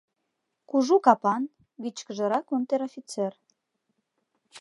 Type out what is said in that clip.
Кужу капан, вичкыжрак унтер-офицер.